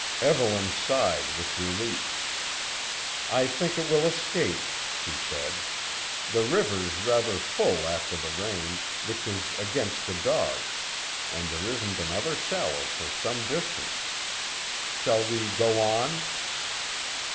Evelyn sighed with relief. "I think it will escape," she said. "The river's rather full after the rain, which is against the dogs, and there isn't another shallow for some distance. Shall we go on?"